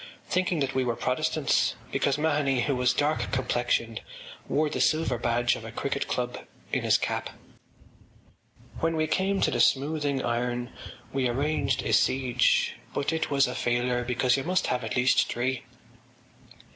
”_ thinking that we were Protestants because Mahony, who was dark complexioned, wore the silver badge of a cricket club in his cap. When we came to the Smoothing Iron we arranged a siege; but it was a failure because you must have at least three.